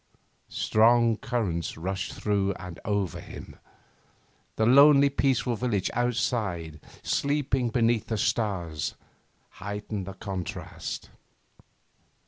Strong currents rushed through and over him. The lonely, peaceful village outside, sleeping beneath the stars, heightened the contrast.